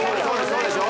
そうでしょ？